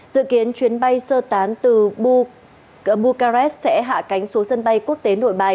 dự kiến chuyến bay sơ tán từ burrakes sẽ hạ cánh số sân bay quốc tế nội bài